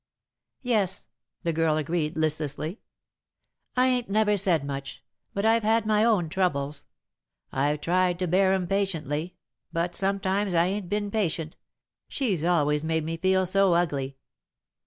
"Yes," the girl agreed, listlessly. "I ain't never said much, but I've had my own troubles. I've tried to bear 'em patiently, but sometimes I ain't been patient she's always made me feel so ugly."